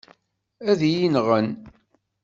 Ad iyi-nɣen.